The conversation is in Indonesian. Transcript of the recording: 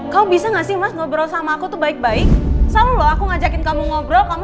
kamu bisa nggak sih mas ngobrol sama aku tuh baik baik selalu loh aku ngajakin kamu ngobrol kamu